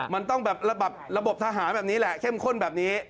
มันต้องแบบระบบทหารแบบนี้แหละเข้มข้นแบบนี้